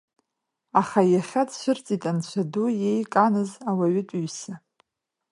Аха иахьа дцәырҵит анцәа ду иеиканыз ауаҩытәыҩса.